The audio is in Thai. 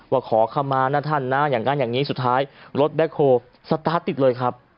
ว่าขอเข้ามานะท่านนะอย่างนั้นอย่างนี้สุดท้ายรถแบ็คโฮลสตาร์ทติดเลยครับ